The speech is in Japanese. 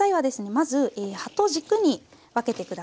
まず葉と軸に分けて下さい。